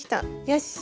よし！